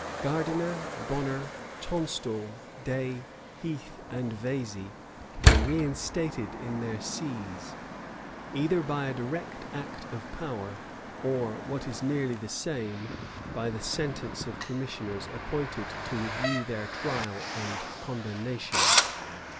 Gardiner, Bonner, Tonstal, Day, Heath, and Vesey, were reinstated in their sees, either by a direct act of power, or, what is nearly the same, by the sentence of commissioners appointed to review their trial and condemnation.